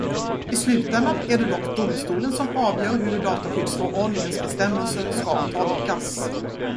I slutändan är det dock domstolen som avgör hur dataskyddsförordningens bestämmelser ska tolkas.